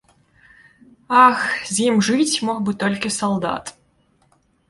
Ах, з ім жыць мог бы толькі салдат.